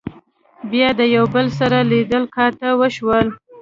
بيا د يو بل سره لیدۀ کاتۀ وشول